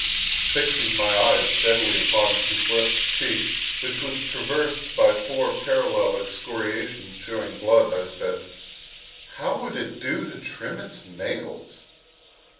Fixing my eyes steadily upon his left cheek, which was traversed by four parallel excoriations showing blood, I said: "How would it do to trim its nails?"